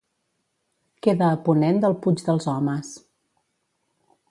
Queda a ponent del Puig dels Homes.